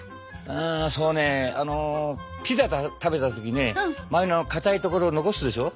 あそうねあのピザ食べた時ね周りのかたいところ残すでしょ。